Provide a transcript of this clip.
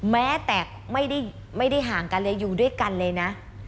แม้แต่ไม่ได้ห่างกันเลยอยู่ด้วยกันเลยนะ